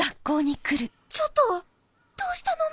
ちょっとどうしたの？